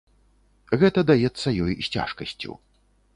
Гэта даецца ёй з цяжкасцю.